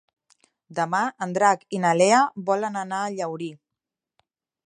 Demà en Drac i na Lea volen anar a Llaurí.